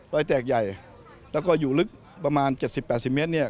แตกใหญ่แล้วก็อยู่ลึกประมาณ๗๐๘๐เมตรเนี่ย